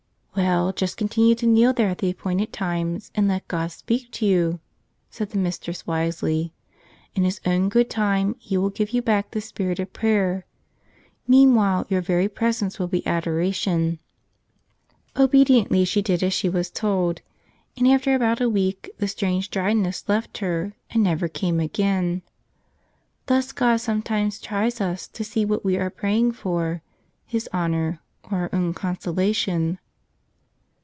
"Well, just continue to kneel there at the appointed times, and let God speak to you," said the Mistress wisely. "In His own good time He will give you back the spirit of prayer; meanwhile your very presence will be adoration." Obediently she did as she was told, and after about a week the strange dryness left her and never came again. Thus God sometimes tries us, to see what we are praying for, His honor or our own consolation.